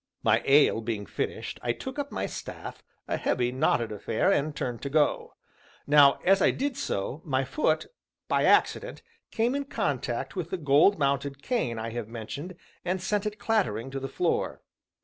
My ale being finished, I took up my staff, a heavy, knotted affair, and turned to go. Now, as I did so, my foot, by accident, came in contact with the gold mounted cane I have mentioned, and sent it clattering to the floor.